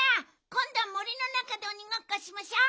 こんどは森のなかでおにごっこしましょう！